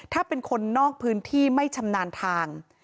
ถ้าเป็นคนนอกพื้นที่ไม่ชำนาญทาง